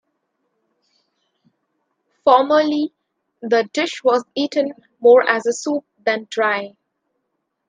Formerly, the dish was eaten more as a soup than dry.